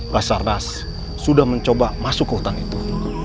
basar das sudah mencoba masuk ke hutan itu